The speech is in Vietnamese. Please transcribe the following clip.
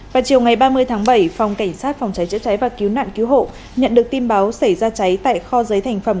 vào chiều ngày ba mươi tháng bảy phòng cảnh sát phòng cháy chữa cháy và cứu nạn cứu hộ nhận được tin báo xảy ra cháy tại kho giấy thành phẩm